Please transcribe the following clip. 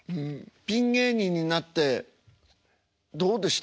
ピン芸人になってどうでした？